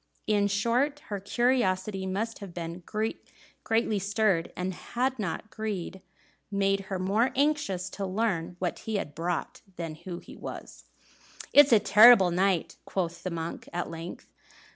In short, her curiosity must have been greatly stirred, had not greed made her more anxious to learn what he had brought than who he was. "It's a terrible night," quoth the monk, at length.